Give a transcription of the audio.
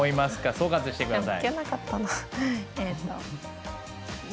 総括して下さい。